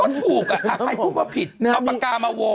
ก็ถูกใครพูดว่าผิดเอาปากกามาวง